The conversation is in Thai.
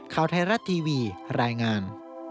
ข่าวไทยรัฐทีวีรายงาน